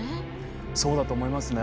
そうだと思いますね。